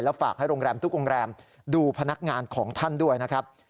ฝากให้โรงแรมทุกโรงแรมดูพนักงานของท่านด้วยนะครับ